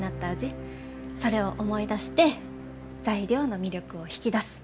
それを思い出して材料の魅力を引き出す。